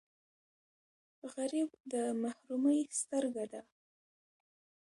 غریب د محرومۍ سترګه ده